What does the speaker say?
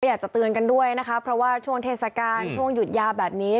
อยากจะเตือนกันด้วยนะคะเพราะว่าช่วงเทศกาลช่วงหยุดยาวแบบนี้